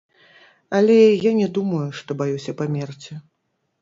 Але я не думаю, што баюся памерці.